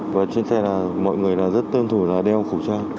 và trên xe là mọi người rất tuân thủ là đeo khẩu trang